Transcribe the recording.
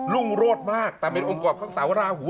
รุ่งโรธมากแต่เป็นองค์กรอบข้างสาวราหู